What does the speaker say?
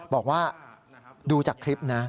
บอกว่าดูจากคลิปนะ